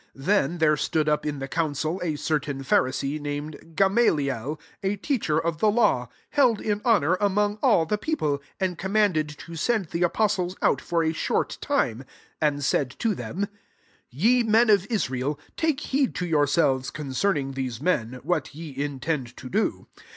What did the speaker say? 34 Then there stood up in the council a certain Pharisee, nam ed Gamaliel, a teacher of the Ia\%, held in honour among all the people, and command^ to send the apostles out for a short time ; 35 and said to them, "Ye men of Israel, take heed to your selves concerning these men, what ye intend to do.